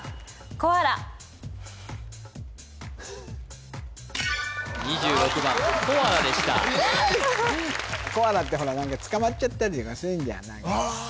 コアラってほら何かつかまっちゃったりとかするじゃん何かああ